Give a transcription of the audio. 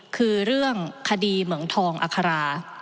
คือเรื่องคดีเหมืองทองอัครา